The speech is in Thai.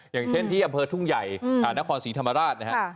อย่างเช่นที่อเภอทุ่งใหญ่อืมอ่านครศรีธรรมราชนะฮะค่ะ